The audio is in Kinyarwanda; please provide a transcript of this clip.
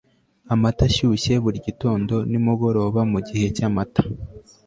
amata ashyushye buri gitondo nimugoroba mugihe cyamata